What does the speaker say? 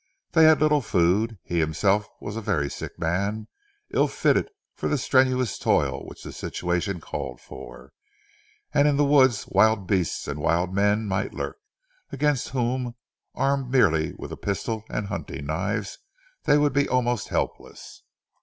They had little food, he himself was a very sick man, ill fitted for the strenuous toil which the situation called for, and in the woods wild beasts and wild men might lurk, against whom, armed merely with pistols and hunting knives, they would be almost helpless.